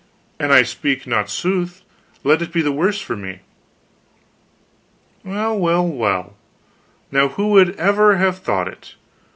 "An I speak not sooth, let it be the worse for me." "Well, well, well, now who would ever have thought it?